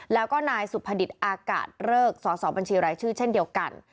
แล้วก็นายสุภดิษฐ์อากาศเริกสสบัญชีรายชื่อเช่นเดียวกัน